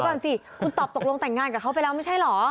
ก่อนสิคุณตอบตกลงแต่งงานกับเขาไปแล้วไม่ใช่เหรอ